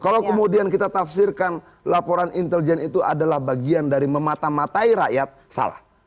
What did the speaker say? kalau kemudian kita tafsirkan laporan intelijen itu adalah bagian dari memata matai rakyat salah